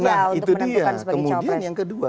nah itu dia kemudian yang kedua